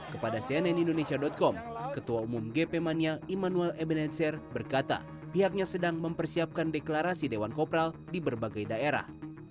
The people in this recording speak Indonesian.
kepada cnn indonesia com ketua umum gp mania immanuel ebenezer berkata pihaknya sedang mempersiapkan deklarasi dewan kopral di berbagai daerah